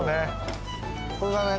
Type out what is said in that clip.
これがね